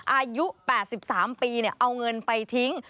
อายุ๘๓ปีเอาเงินไปทิ้ง